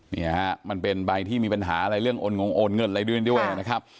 เนี่ยฮะมันเป็นใบที่มีปัญหาอะไรเรื่องโอนงงโอนเงินอะไรด้วยนะครับ